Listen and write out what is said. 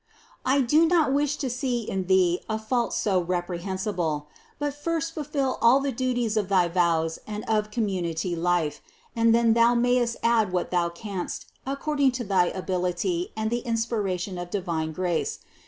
I do not wish to see in thee a fault so reprehensible : but first fulfill all the duties of thy vows and of community life, and then thou mayest add what thou canst, according to thy ability and the inspira tion of divine grace.